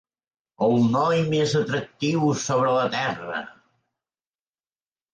El noi més atractiu sobre la Terra!